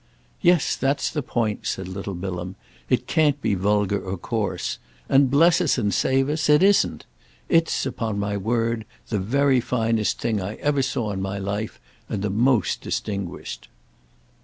"Yes, that's the point," said little Bilham. "It can't be vulgar or coarse. And, bless us and save us, it isn't! It's, upon my word, the very finest thing I ever saw in my life, and the most distinguished."